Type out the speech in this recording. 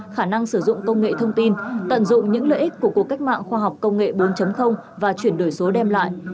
khả năng sử dụng công nghệ thông tin tận dụng những lợi ích của cuộc cách mạng khoa học công nghệ bốn và chuyển đổi số đem lại